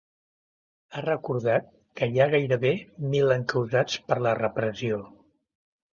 Ha recordat que hi ha gairebé mil encausats per la repressió.